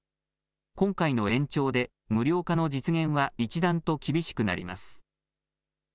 今回の延長で無料化の実現は一段と厳しくなります。